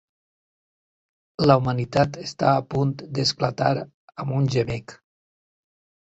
La humanitat està a punt de esclatar amb un gemec.